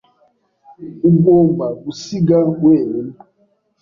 Ugomba gusiga wenyine.